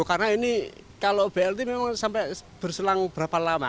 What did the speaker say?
karena ini kalau blt memang sampai berselang berapa lama